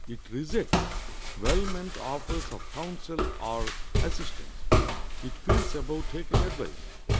It rejects well meant offers of counsel or assistance. It feels above taking advice.